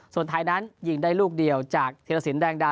ส่วนไทยนั้นยิงได้ลูกเดียวจากธิรสินแดงดา